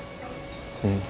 うん